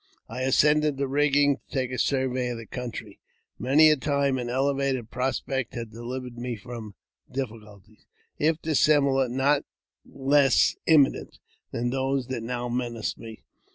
I ascended the rigging to take a survey of the country. Many a time an elevated prospect had delivered me from difficulties, if dissimilar, yet not less im minent, than those that now menaced me.